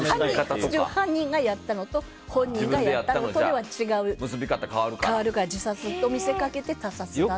犯人がやったのと本人がやったのとでは違う、結び方変わるから自殺かと見せつけて他殺とか。